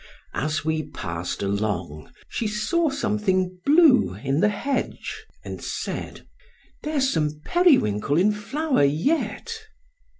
As we passed along, she saw something blue in the hedge, and said, "There's some periwinkle in flower yet!"